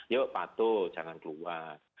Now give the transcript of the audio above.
yuk patuh jangan keluar